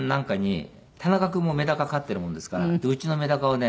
田中君もメダカ飼ってるもんですからうちのメダカをね